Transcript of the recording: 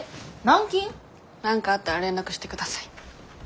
何かあったら連絡して下さい。